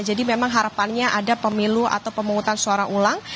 jadi memang harapannya ada pemilu atau pemungutan suara ulang